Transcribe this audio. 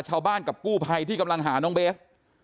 ชาวบ้านกับกู้ภัยที่กำลังหาน้องเบส